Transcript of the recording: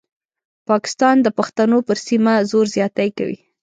پاکستان د پښتنو پر سیمه زور زیاتی کوي.